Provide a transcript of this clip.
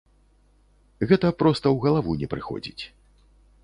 Гэта проста ў галаву не прыходзіць.